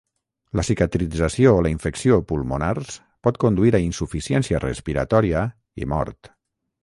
La cicatrització o la infecció pulmonars pot conduir a insuficiència respiratòria i mort.